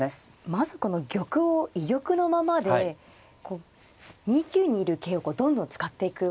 まずこの玉を居玉のままで２九にいる桂をどんどん使っていくわけです。